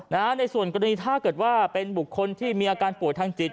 ในส่วนกรณีถ้าเกิดว่าเป็นบุคคลที่มีอาการป่วยทางจิต